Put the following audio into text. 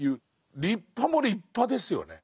立派も立派ですよね。